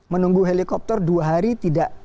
menunggu helikopter dua hari tidak